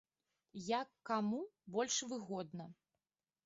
Як каму больш выгодна.